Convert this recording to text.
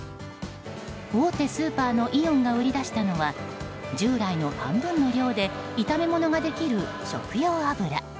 大手スーパーのイオンが売り出したのは従来の半分の量で炒め物ができる食用油。